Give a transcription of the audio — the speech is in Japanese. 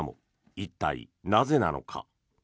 一体、なぜなのか。